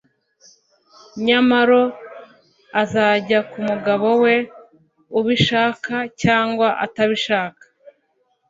nyamalo azajya kumugabo we ubishaka cyangwa utabishaka